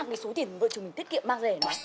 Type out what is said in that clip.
mang cái số tiền vợ chồng mình tiết kiệm mang về này